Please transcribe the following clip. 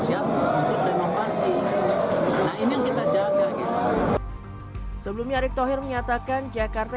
siap untuk renovasi nah ini yang kita jaga sebelumnya arief tohir menyatakan jakarta